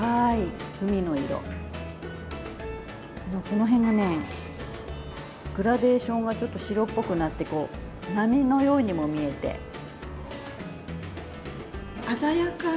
この辺がねグラデーションがちょっと白っぽくなってこうとっても特徴になっています。